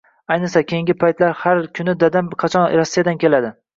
Ayniqsa, keyingi paytlar har kuni Dadam qachon Rossiyadan keladi